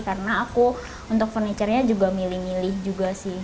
karena aku untuk furniture nya juga milih milih juga sih